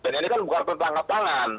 dan ini kan bukan pertangkapangan